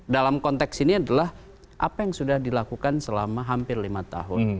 dalam konteks ini adalah apa yang sudah dilakukan selama hampir lima tahun